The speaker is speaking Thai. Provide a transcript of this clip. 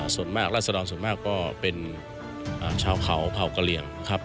ส่วนมากราศดรส่วนมากก็เป็นชาวเขาเผ่ากะเหลี่ยงครับ